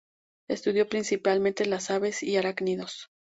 Estudió principalmente las aves y arácnidos.